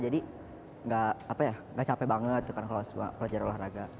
jadi gak capek banget kalau belajar olahraga